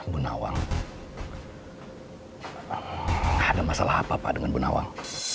bu nawang ada masalah apa apa dengan bu nawang